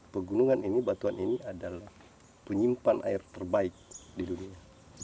pegunungan ini batuan ini adalah penyimpan air terbaik di dunia